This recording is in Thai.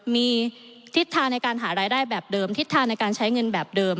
มีทิศทางในการหารายได้แบบเดิมทิศทางในการใช้เงินแบบเดิม